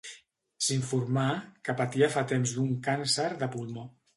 S'informà que patia fa temps d'un càncer de pulmó.